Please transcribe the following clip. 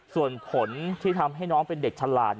ส่วนผลที่ทำให้น้องเป็นเด็กฉลาด